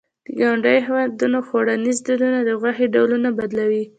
د ګاونډیو هېوادونو خوړنيز دودونه د غوښې ډولونه بدلوي.